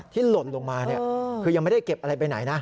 หล่นลงมาคือยังไม่ได้เก็บอะไรไปไหนนะ